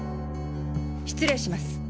失礼します。